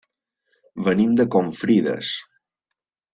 Venim de Confrides.